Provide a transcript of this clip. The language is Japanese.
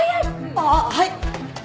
ああはい！